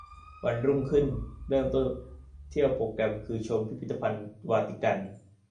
วันรุ่งขึ้นเริ่มต้นเที่ยวโปรแกรมคือชม พิพิทธภัณฑ์วาติกัน